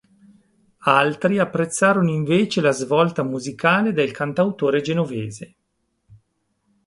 Altri apprezzarono invece la svolta musicale del cantautore genovese.